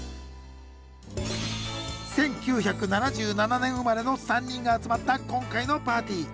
１９７７年生まれの３人が集まった今回のパーティー。